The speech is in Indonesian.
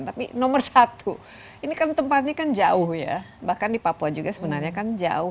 tapi nomor satu ini kan tempatnya kan jauh ya bahkan di papua juga sebenarnya kan jauh